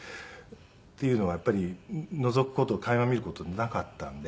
っていうのはやっぱりのぞく事垣間見る事なかったんで。